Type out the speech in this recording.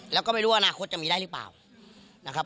แล้วก็ไม่รู้ว่าอนาคตจะมีได้หรือเปล่านะครับ